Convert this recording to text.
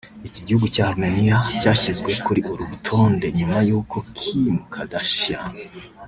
Iki gihugu cya Armenia cyashyizwe kuri uru rutonde nyuma y’uko Kim Kardashian